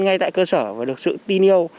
ngay tại cơ sở và được sự tin yêu